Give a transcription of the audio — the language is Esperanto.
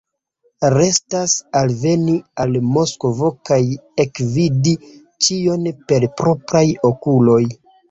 Restas alveni al Moskvo kaj ekvidi ĉion per propraj okuloj.